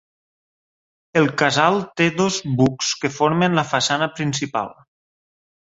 El casal té dos bucs que formen la façana principal.